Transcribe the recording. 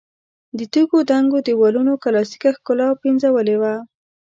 د تیږو دنګو دېوالونو کلاسیکه ښکلا پنځولې وه.